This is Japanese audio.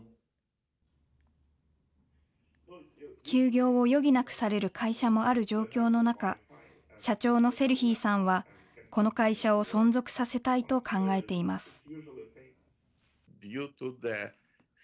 休業を余儀なくされる会社もある状況の中、社長のセルヒーさんは、この会社を存続させたいと考えています。